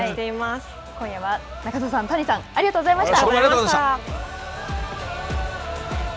今夜は中澤さん、谷さんありがとうございました。